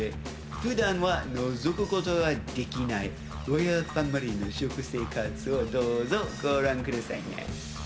普段はのぞくことができないロイヤルファミリーの食生活をどうぞご覧くださいね。